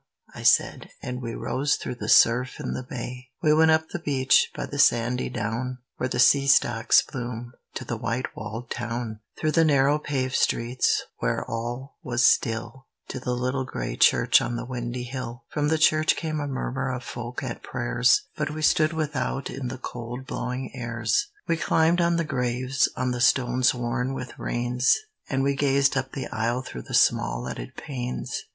I said, and we rose through the surf in the bay. We went up the beach, by the sandy down Where the sea stocks bloom, to the white walled town, Through the narrow paved streets, where all was still, To the little gray church on the windy hill. From the church came a murmur of folk at their prayers, But we stood without in the cold blowing airs. RAINBOW GOLD We climbed on the graves, on the stones worn with rains, And we gazed up the aisle through the small leaded panes.